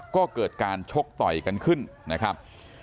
ก็เกิดการชกต่อยกันขึ้นนะครับ